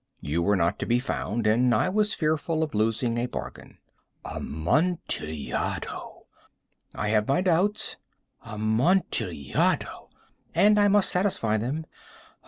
You were not to be found, and I was fearful of losing a bargain." "Amontillado!" "I have my doubts." "Amontillado!" "And I must satisfy them."